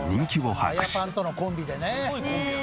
アヤパンとのコンビでね。